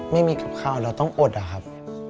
ไม่มีกับข้าวเราต้องอดอะครับ